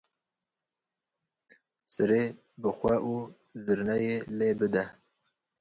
Sîrê bixwe û zirneyê lê bide